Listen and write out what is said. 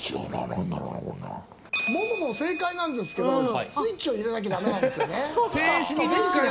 ももも正解なんですけどスイッチを入れなきゃだめなんですよね。